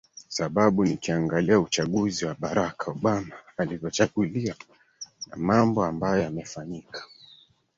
sababu nikiangalia uchaguzi wa barak obama alivyo chaguliwa na mambo ambayo yamefanyika